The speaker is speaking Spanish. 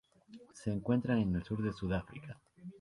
Se encuentran en el sur de Sudáfrica.